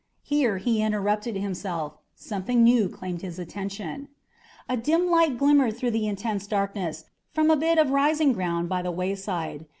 Here he interrupted himself; something new claimed his attention. A dim light glimmered through the intense darkness from a bit of rising ground by the wayside.